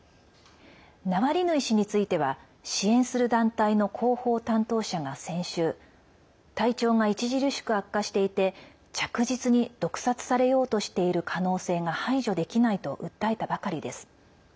ナワリヌイ氏については支援する団体の広報担当者が先週体調が著しく悪化していて着実に毒殺されようとしている可能性が排除できないと訴えたばかりです。